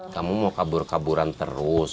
kamu mau kabur kaburan terus